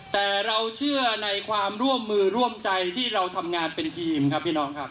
แต่เราเชื่อในความร่วมมือร่วมใจที่เราทำงานเป็นทีมครับพี่น้องครับ